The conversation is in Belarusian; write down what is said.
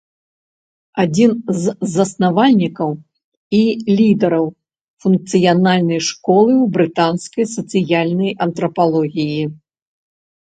Адзін з заснавальнікаў і лідараў функцыянальнай школы ў брытанскай сацыяльнай антрапалогіі.